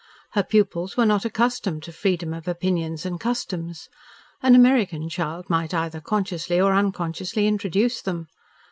Her pupils were not accustomed to freedom of opinions and customs. An American child might either consciously or unconsciously introduce them.